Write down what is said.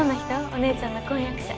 お姉ちゃんの婚約者。